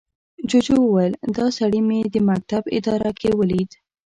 جوجو وويل، دا سړي مې د مکتب اداره کې ولید.